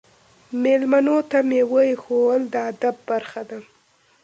میلمنو ته میوه ایښودل د ادب برخه ده.